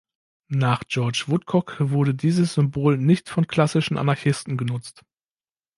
Nach George Woodcock wurde dieses Symbol nicht von klassischen Anarchisten genutzt.